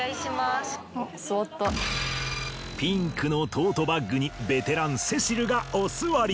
ピンクのトートバッグにベテランセシルがおすわり。